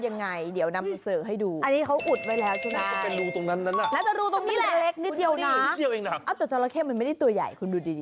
นิดเดียวเองน่ะแต่เจ้าระเข้มมันไม่ได้ตัวใหญ่คุณดูดิ